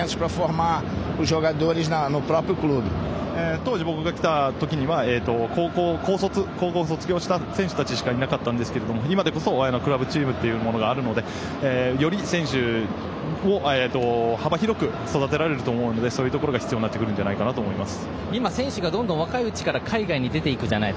当時、僕が来たときには高校卒業した選手たちしかいなかったですが今でこそクラブチームがあるのでより選手を幅広く育てられると思うのでそういうところが必要になってくるんじゃないかなと思います。